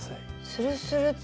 スルスルッと。